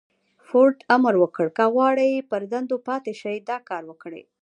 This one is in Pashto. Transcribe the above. فورډ امر وکړ که غواړئ پر دندو پاتې شئ دا کار وکړئ.